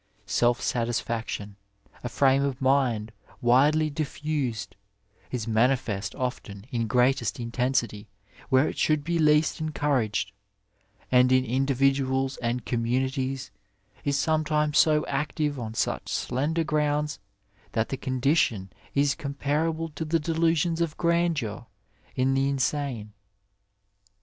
Self satisfaction, a frame of mind widely difiused, is manifest often in greatest intensity where it should be least en couraged, and in individuals and communitieB is some times so active on such slender grounds that the condi tion is comparable to the delusions of grandeur in the insane.